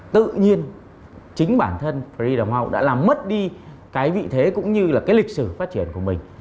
tự nhiên chính bản thân fridam hou đã làm mất đi cái vị thế cũng như là cái lịch sử phát triển của mình